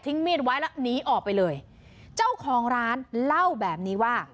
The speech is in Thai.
มีดไว้แล้วหนีออกไปเลยเจ้าของร้านเล่าแบบนี้ว่า